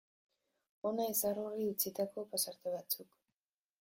Hona Izargorrik utzitako pasarte batzuk.